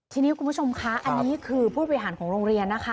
ทีนี้คุณผู้ชมคะอันนี้คือผู้บริหารของโรงเรียนนะคะ